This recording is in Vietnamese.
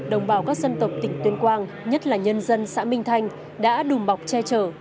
đồng bào các dân tộc tỉnh tuyên quang nhất là nhân dân xã minh thanh đã đùm bọc che chở